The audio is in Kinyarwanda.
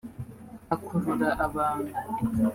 akurura abantu